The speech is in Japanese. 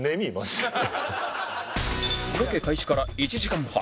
ロケ開始から１時間半